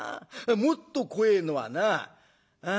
もっと怖えのはなあ